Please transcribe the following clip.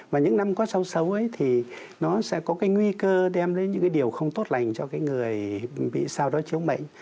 và những năm có sao xấu ấy thì nó sẽ có cái nguy cơ đem đến những cái điều không tốt lành cho cái người bị sao đó chếu mệnh